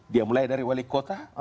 dia mulai dari wali kota